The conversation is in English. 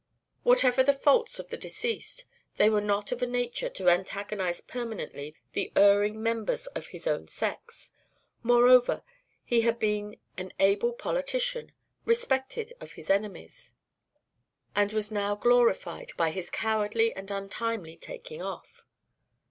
Whatever the faults of the deceased, they were not of a nature to antagonise permanently the erring members of his own sex. Moreover, he had been an able politician, respected of his enemies, and was now glorified by his cowardly and untimely taking off.